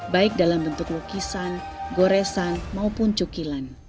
baik dalam bentuk lukisan goresan maupun cukilan